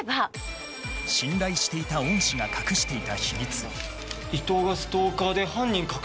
信頼していた恩師が隠していた秘密伊藤がストーカーで犯人確定？